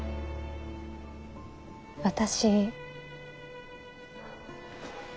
私。